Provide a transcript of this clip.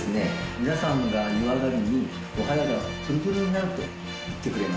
皆さんが湯上がりにお肌がツルツルになると言ってくれます。